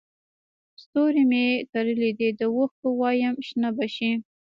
ستوري مې کرلي دي د اوښکو وایم شنه به شي